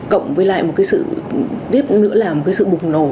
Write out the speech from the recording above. cộng với lại một sự bùng nổ